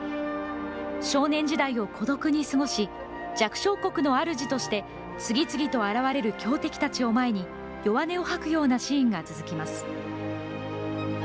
少年時代を孤独に過ごし弱小国のあるじとして次々と現れる強敵たちを前に弱音を吐くようなシーンが続きます。